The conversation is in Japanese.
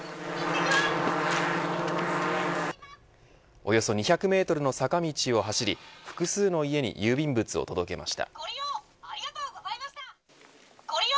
およそ２００メートルの坂道を走り複数の家に郵便物を届けました。